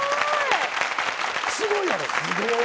すごーい。